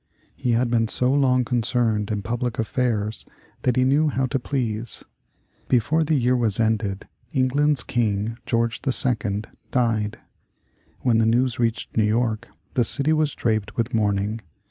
He had been so long concerned in public affairs that he knew how to please. Before the year was ended England's King, George II., died. When the news reached New York, the city was draped with mourning.